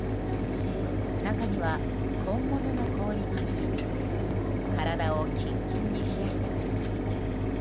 中には本物の氷が並び、体をキンキンに冷やしてくれます。